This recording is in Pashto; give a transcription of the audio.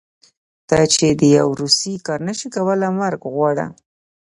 ته چې د يو روسي کار نشې کولی مرګ وغواړه.